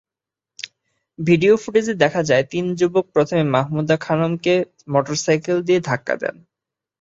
Video ফুটেজে দেখা যায়, তিন যুবক প্রথমে মাহমুদা খানমকে মোটরসাইকেল দিয়ে ধাক্কা দেন।